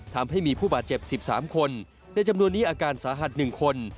ทำให้มีผู้บาดเจ็บสิบสามคนในจำนวนนี้อาการสาหัสหนึ่งคน